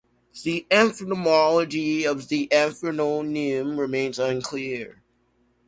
The etymology of the ethnonym remains unclear.